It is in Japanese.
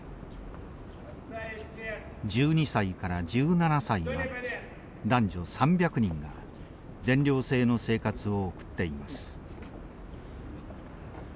１２歳から１７歳まで男女３００人が全寮制の生活を送っています。